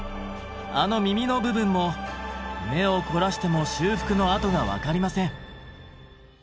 あの耳の部分も目を凝らしても修復の跡が分かりません。